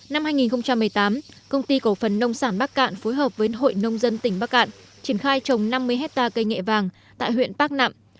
năm hai nghìn một mươi tám công ty cổ phần nông sản bắc cạn phối hợp với hội nông dân tỉnh bắc cạn triển khai trồng năm mươi hectare cây nghệ vàng tại huyện bắc nạm